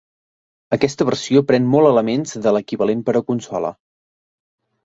Aquesta versió pren molt elements de l'equivalent per a consola.